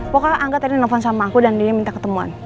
pokoknya angga tadi nelfon sama aku dan dia minta ketemuan